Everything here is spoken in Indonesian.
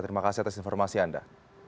terima kasih atas informasi anda